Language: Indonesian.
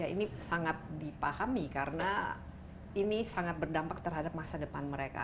ini sangat dipahami karena ini sangat berdampak terhadap masa depan mereka